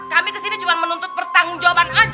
kami ke sini cuma menuntut pertanggung jawaban aja